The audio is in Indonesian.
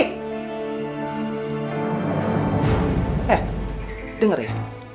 eh denger ya